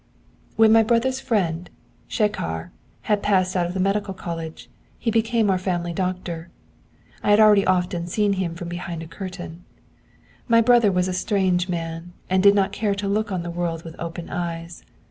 'When my brother's friend, Shekhar, had passed out of the Medical College, he became our family doctor. I had already often seen him from behind a curtain. My brother was a strange man, and did not care to look on the world with open eyes.